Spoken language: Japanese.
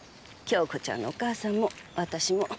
杏子ちゃんのお母さんも私も。